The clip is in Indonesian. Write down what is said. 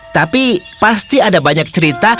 tapi pasti ada banyak cerita